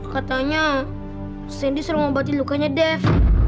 katanya sandy suruh mengobati lukanya dev